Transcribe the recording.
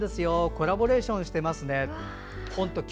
コラボレーションしています。